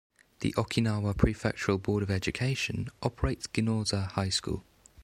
The Okinawa Prefectural Board of Education operates Ginoza High School.